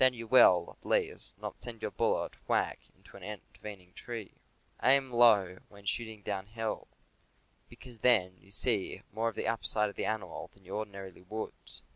Then you will, at least, not send your bullet whack into an intervening tree. 98 CAMPING AND WOODCRAFT Aim low when shooting downhill, because then you see more of the upper side of the animal than you ordi narily would.